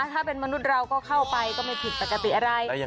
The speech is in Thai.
ถ้าเป็นมนุษย์เราก็เข้าไปก็ไม่ผิดปกติอะไร